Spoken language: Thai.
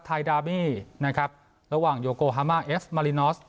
ดาบี้นะครับระหว่างโยโกฮามาเอฟมารินอส